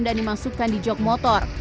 dan dimasukkan di jog motor